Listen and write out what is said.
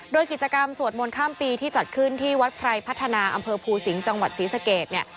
โดยกิจกรรมสวดมนต์ข้ามปีที่จัดขึ้นที่วัดไพรพัฒนาอำเภอภูสิงห์จังหวัดศรีสเกตเนี่ย